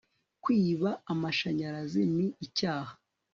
kwiba amashanyarazi ni icyaha